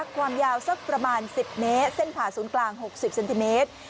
ความยาวสักประมาณ๑๐เมตรเส้นผ่าศูนย์กลาง๖๐เซนติเมตร